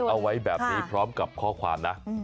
เอาไว้แบบนี้พร้อมกับข้อความนะ